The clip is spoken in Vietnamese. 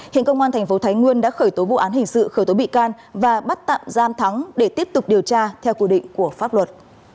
hiện công an thành phố thái nguyên đã khởi tố vụ án hình sự khởi tố bị can và bắt tạm giam thắng để tiếp tục điều tra theo quy định của pháp luật